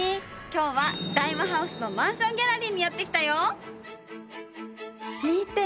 今日は大和ハウスのマンションギャラリーにやって来たよ！見て！